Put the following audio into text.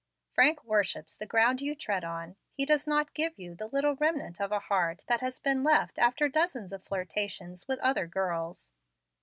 Frank worships the ground you tread on. He does not give you the little remnant of a heart that has been left after dozens of flirtations with other girls.